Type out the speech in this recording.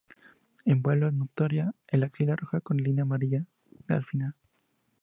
En vuelo es notoria la axila roja con línea amarilla al final.